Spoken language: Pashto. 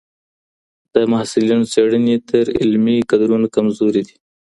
د محصلینو څېړني تر علمي کدرونو کمزورې دي.